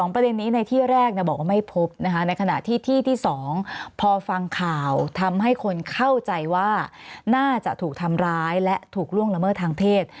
ประเด็นนี้ในที่แรกบอกว่าไม่พบนะคะในขณะที่ที่๒พอฟังข่าวทำให้คนเข้าใจว่าน่าจะถูกทำร้ายและถูกล่วงละเมิดทางเพศ